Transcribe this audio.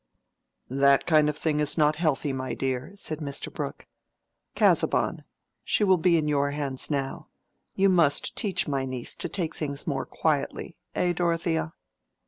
"That kind of thing is not healthy, my dear," said Mr. Brooke. "Casaubon, she will be in your hands now: you must teach my niece to take things more quietly, eh, Dorothea?"